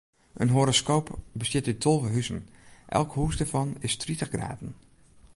In horoskoop bestiet út tolve huzen, elk hûs dêrfan is tritich graden.